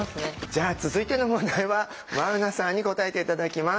じゃあ続いての問題は眞生さんに答えて頂きます。